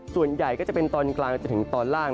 ส่วนใหญ่ก็จะเป็นตอนกลางจนถึงตอนล่าง